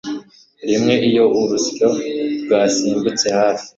Rimwe iyo urusyo rwasimbutse hafi